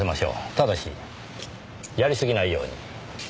ただしやりすぎないように。